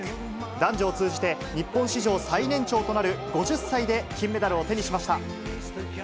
男女を通じて日本史上最年長となる５０歳で金メダルを手にしました。